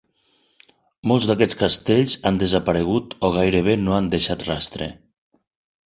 Molts d'aquests castells han desaparegut o gairebé no han deixat rastre.